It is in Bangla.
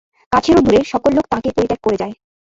কাছের ও দূরের সকল লোক তাঁকে পরিত্যাগ করে যায়।